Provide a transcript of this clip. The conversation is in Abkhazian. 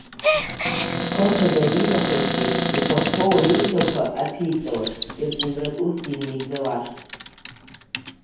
Хымԥада, аринахысгьы ихәарҭоу аҩымҭақәа аԥиҵалашт, ирҵаҩратә усгьы неигӡалашт.